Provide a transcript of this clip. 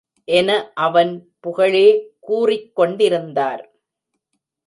என அவன் புகழே கூறிக் கொண்டிருந்தார்.